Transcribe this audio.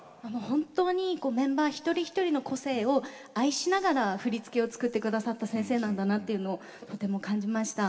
本当にメンバー一人一人の個性を愛しながら振り付けを作って下さった先生なんだなというのをとても感じました。